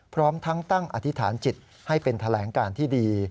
พร้อมทั้งตั้งอธิษฐานจิตให้เป็นแถลงการที่ดี